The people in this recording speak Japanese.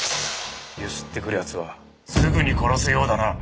強請ってくる奴はすぐに殺すようだな。